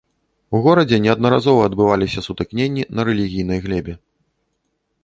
У горадзе неаднаразова адбываліся сутыкненні на рэлігійнай глебе.